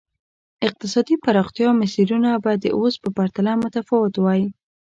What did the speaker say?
اقتصادي پراختیا مسیرونه به د اوس په پرتله متفاوت وای.